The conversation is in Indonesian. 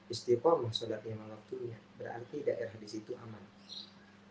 istiqomah sodaknya mawaktunya berarti daerah disitu amat berarti daerahnya kamu tempatnya atau yang kamu kunjungi